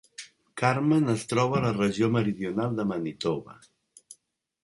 Carman es trobava a la regió meridional de Manitoba.